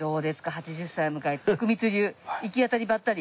８０歳を迎え『徳光流生き当たりばったり』。